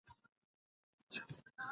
هغه له مظلومانو ملاتړ کاوه.